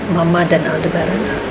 mama dan aldebaran